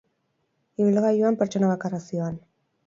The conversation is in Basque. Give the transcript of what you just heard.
Ibilgailuan pertsona bakarra zihoan.